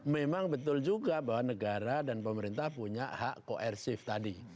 memang betul juga bahwa negara dan pemerintah punya hak koersif tadi